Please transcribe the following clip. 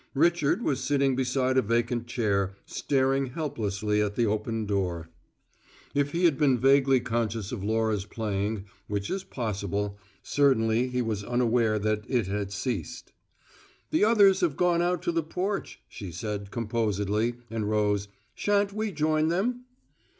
Richard was sitting beside a vacant chair, staring helplessly at the open door. If he had been vaguely conscious of Laura's playing, which is possible, certainly he was unaware that it had ceased. "The others have gone out to the porch," she said composedly, and rose. "Shan't we join them?"